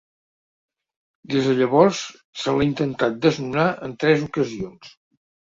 Des de llavors, se l’ha intentat desnonar en tres ocasions.